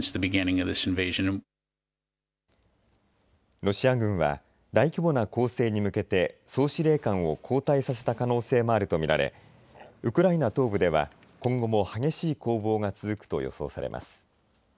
ロシア軍は大規模な攻勢に向けて総司令官を交代させた可能性もあると見られウクライナ東部では今後も激しい攻防が続くと予想されます。